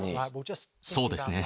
そうですね。